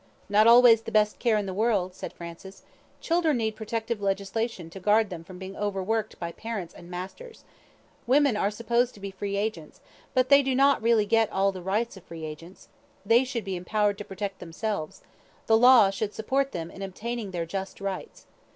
"Not always the best care in the world," said Francis. "Children need protective legislation to guard them from being overworked by parents and masters. Women are supposed to be free agents, but they do not really get all the rights of free agents they should be empowered to protect themselves; the law should support them in obtaining their just rights.